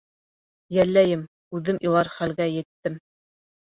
Йәлләйем, үҙем илар хәлгә еттем.